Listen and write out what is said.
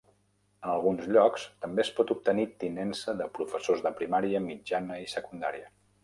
En alguns llocs, també es pot obtenir tinença de professors de primària, mitjana i secundària.